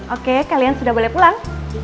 oke kalian sudah boleh pulang